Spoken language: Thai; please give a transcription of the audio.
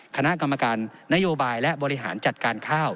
คณะกรรมการนโยบายและบริหารจัดการข้าว